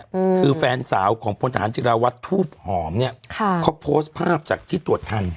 อืมคือแฟนสาวของพลทหารจิราวัตรทูบหอมเนี้ยค่ะเขาโพสต์ภาพจากที่ตรวจทัน